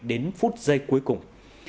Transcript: đến phút giây cuối cùng